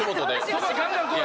そこはガンガンこい！